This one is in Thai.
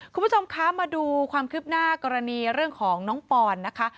คุณผู้ชมคะมาดูความคืบหน้ากรณีเรื่องของน้องปอนนะคะ